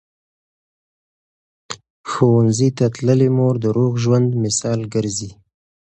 ښوونځې تللې مور د روغ ژوند مثال ګرځي.